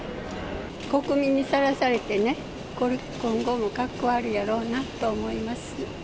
国民にさらされてね、今後もかっこ悪いやろうなと思います。